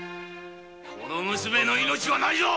この娘の命はないぞ！